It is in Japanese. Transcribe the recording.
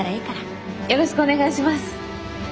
よろしくお願いします。